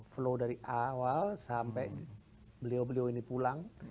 flow dari awal sampai beliau beliau ini pulang